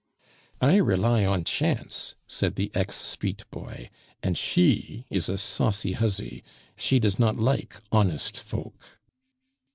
"I rely on chance," said the ex street boy, "and she is a saucy huzzy; she does not like honest folk.